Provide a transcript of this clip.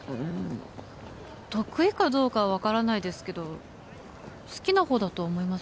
得意かどうかは分からないですけど好きなほうだと思います